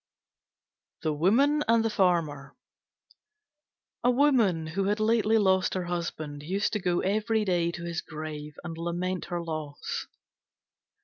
THE WOMAN AND THE FARMER A Woman, who had lately lost her husband, used to go every day to his grave and lament her loss.